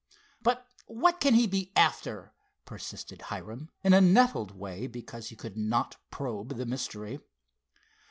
"But what can he be after?" persisted Hiram, in a nettled way because he could not probe the mystery.